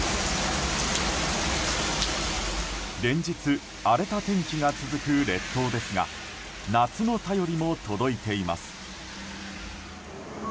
連日、荒れた天気が続く列島ですが夏の便りも届いています。